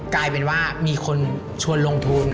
กลายเป็นว่ามีคนชวนลงทุน